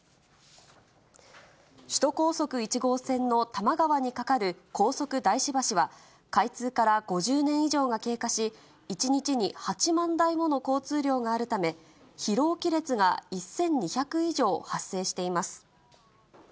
首都高速１号線の多摩川に架かる高速大師橋は、開通から５０年以上が経過し、１日に８万台もの交通量があるため、疲労亀裂が１２００以上発生しています。